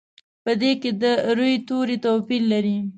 په دې کې د روي توري توپیر لري.